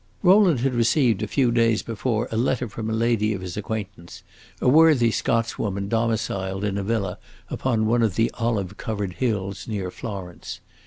Rowland had received a few days before a letter from a lady of his acquaintance, a worthy Scotswoman domiciled in a villa upon one of the olive covered hills near Florence.